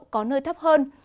có nơi thấp hơn